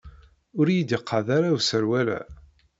Ur iyi-d-iqad ara userwal-a.